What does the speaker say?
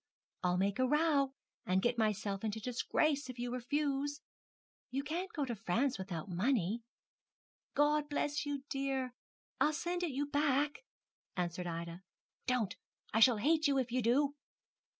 I'll make a row, and get myself into disgrace, if you refuse. You can't go to France without money.' 'God bless you, dear. I'll send it you back,' answered Ida. 'Don't; I shall hate you if you do.'